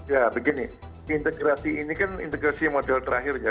ya begini integrasi ini kan integrasi model terakhir ya